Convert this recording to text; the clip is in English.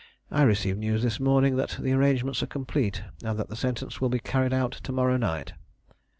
I received news this morning that the arrangements are complete, and that the sentence will be carried out to morrow night."